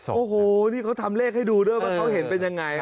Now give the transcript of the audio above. โอ้โหนี่เขาทำเลขให้ดูด้วยว่าเขาเห็นเป็นยังไง